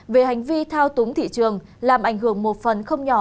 về hành vi thao túng thị trường làm ảnh hưởng một phần không nhỏ